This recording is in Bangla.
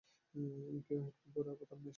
কেউই হেডফোন পরে তার মায়ের সাথে নাচছে না।